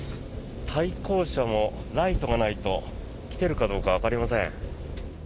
対向車もライトがないと来ているかどうかわかりません。